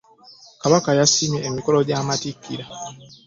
Kabaka yasiima emikolo gya matikkira.